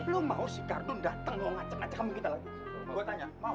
iya kagak mau